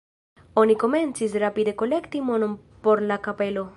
Oni komencis rapide kolekti monon por la kapelo.